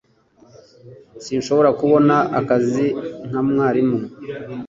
Sinshobora kubona akazi nka mwarimu